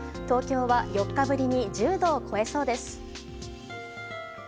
東京は４日ぶりに１０度を超えそうです。